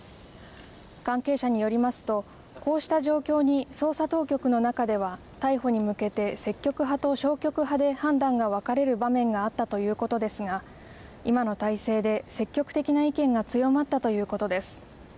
関係者によりますと、こうした状況に捜査当局の中では逮捕に向けて積極派と消極派で判断が分かれる場面があったということですが、今の体制で積極的な意見が強まったということです。